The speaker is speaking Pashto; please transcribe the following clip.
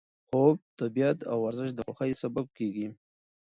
خوب، طبیعت او ورزش د خوښۍ سبب کېږي.